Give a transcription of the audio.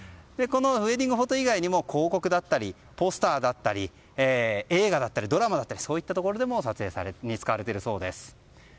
ウェディングフォト以外にも広告だったり、ポスターだったり映画だったりドラマだったりそういった撮影に使われているそうです。